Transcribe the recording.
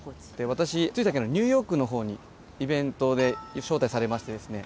私つい最近ニューヨークのほうにイベントで招待されましてですね